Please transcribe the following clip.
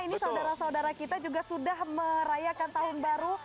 ini saudara saudara kita juga sudah merayakan tahun baru